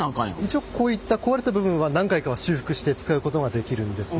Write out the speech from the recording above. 一応こういった壊れた部分は何回かは修復して使うことができるんです。